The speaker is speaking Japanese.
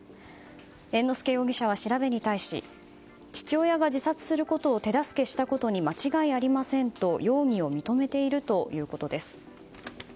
猿之助容疑者は調べに対し父親が自殺することを手助けしたことに間違いありませんと容疑を認めているということです。